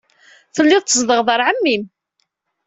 Telliḍ tzedɣeḍ ɣer ɛemmi-m.